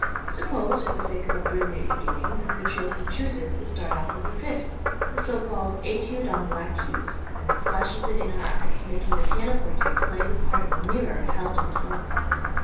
Suppose, for the sake of a brilliant beginning, the virtuoso chooses to start off with the fifth, the so called "Étude on Black Keys," and flashes it in our eyes, making the pianoforte play the part of a mirror held in the sunlight.